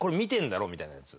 みたいなやつ。